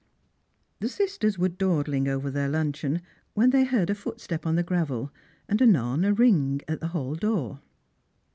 The sisters were dawdling over their luncheon, when they heard a footstep on the gravel, and anon a ring at the hall door.